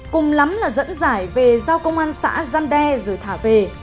cùng lắm là dẫn giải về giao công an xã gian đe rồi thả về